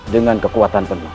dengan kekuatan penuh